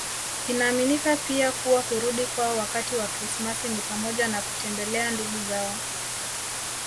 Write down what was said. Inaaminika pia kuwa kurudi kwao wakati wa Krismasi ni pamoja na kutembelea ndugu zao